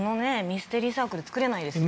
ミステリーサークル作れないですよ